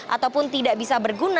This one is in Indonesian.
ataupun tidak bisa berguna